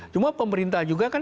cuma pemerintah juga kan